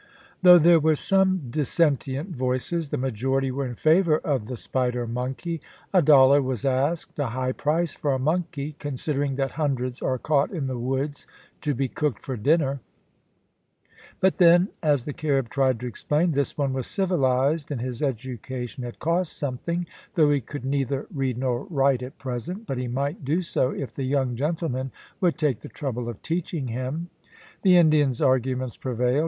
Though there were some dissentient voices, the majority were in favour of the spider monkey. A dollar was asked, a high price for a monkey, considering that hundreds are caught in the woods to be cooked for dinner; but then, as the Carib tried to explain, this one was civilised, and his education had cost something, though he could neither read nor write at present; but he might do so, if the young gentlemen would take the trouble of teaching him. The Indian's arguments prevailed.